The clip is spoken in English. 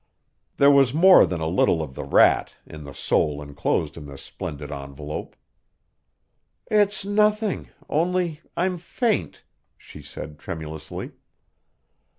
There was more than a little of the rat in the soul inclosed in this splendid envelope. "It's nothing only I'm faint," she said tremulously.